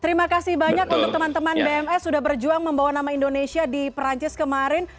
terima kasih banyak untuk teman teman bms sudah berjuang membawa nama indonesia di perancis kemarin